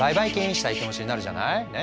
したい気持ちになるじゃない？ねえ。